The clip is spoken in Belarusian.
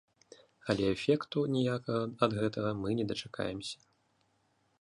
Але эфекту ніякага ад гэтага мы не дачакаемся.